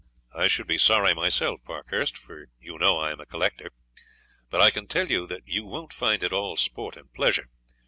"I should be sorry myself, Parkhurst, for you know I am a collector. But I can tell you that you won't find it all sport and pleasure.